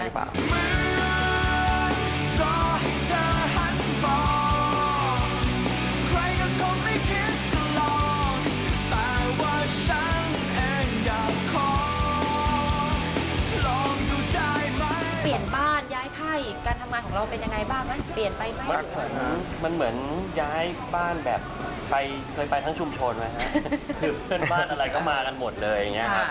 คือเพื่อนบ้านอะไรก็มากันหมดเลย